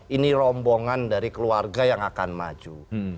ini rombongan dari keluarga yang akan maju